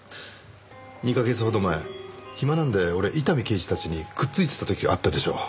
２カ月ほど前暇なんで俺伊丹刑事たちにくっついてた時があったでしょう。